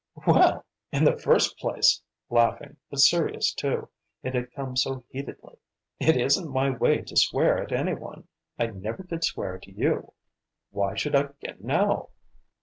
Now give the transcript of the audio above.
"Well, in the first place," laughing, but serious too, it had come so heatedly, "it isn't my way to swear at any one. I never did swear at you. Why should I begin now?"